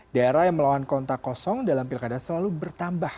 daerah yang melawan kontak kosong dalam pilkada selalu bertambah